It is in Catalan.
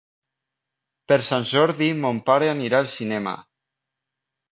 Per Sant Jordi mon pare anirà al cinema.